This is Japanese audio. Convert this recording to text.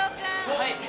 はい。